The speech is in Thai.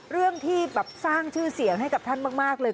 เรื่องที่แบบสร้างชื่อเสียงให้กับท่านมากเลย